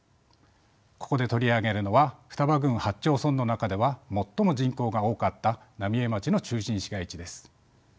ここで取り上げるのは双葉郡８町村の中では最も人口が多かった浪江町の中心市街地です。